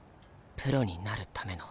プロになるための。